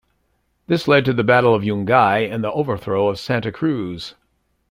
This led to the Battle of Yungay and the overthrow of Santa Cruz.